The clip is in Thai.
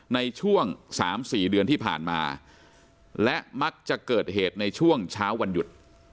ในช่วง๓๔เดือนที่ผ่านมาและมักจะเกิดเหตุในช่วงเช้าวันหยุด